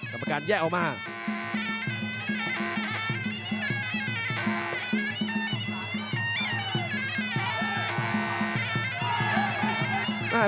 กรรมการแยกออกมา